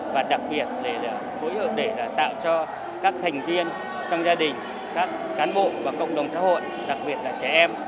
và đặc biệt là phối hợp để tạo cho các thành viên trong gia đình các cán bộ và cộng đồng xã hội đặc biệt là trẻ em